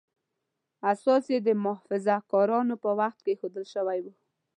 اساس یې د محافظه کارانو په وخت کې ایښودل شوی و.